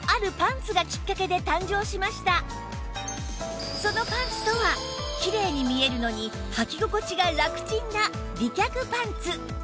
実はそのパンツとはきれいに見えるのにはき心地がラクちんな美脚パンツ